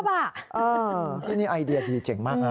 ที่นี่ไอเดียดีเจ๋งมากนะ